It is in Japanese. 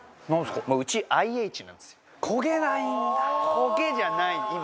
コゲじゃない今。